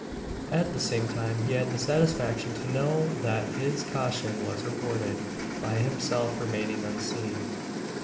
At the same time he had the satisfaction to know that his caution was rewarded, by himself remaining unseen.